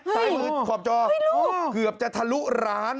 ซ้ายมือขอบจอเกือบจะทะลุร้าน